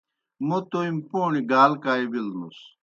موْ تومیْ پوݨیْ گال کائی بِلوْنُس۔